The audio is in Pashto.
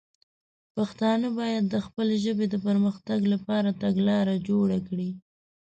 پښتانه باید د خپلې ژبې د پر مختګ لپاره تګلاره جوړه کړي.